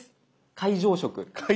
会場食。